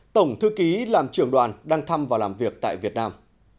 tổng thư ký làm trưởng đoàn đang thăm và làm việc tại việt nam